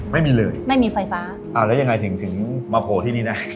ไม่มีเลยไม่มีไฟฟ้าอ่าแล้วยังไงถึงถึงมาโผล่ที่นี่นะ